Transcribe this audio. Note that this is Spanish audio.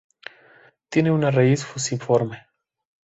Tiene una raíz fusiforme.